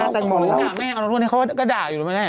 ด่าแม่เอาน้องร่วมให้เขาก็ด่าอยู่แล้วแม่